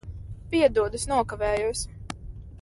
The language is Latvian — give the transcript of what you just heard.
Piedod, es nokavējos.